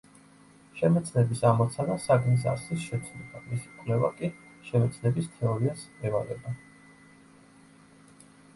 შემეცნების ამოცანა საგნის არსის შეცნობა, მისი კვლევა კი შემეცნების თეორიას ევალება.